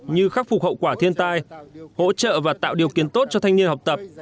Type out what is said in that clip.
như khắc phục hậu quả thiên tai hỗ trợ và tạo điều kiện tốt cho thanh niên học tập